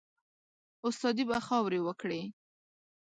استادي به خاوري وکړې